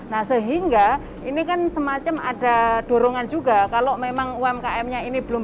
nah sehingga ini kan semacam ada dorongan juga kalau memang umkm nya ini belum